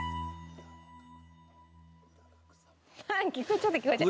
ちょっと聞こえちゃう。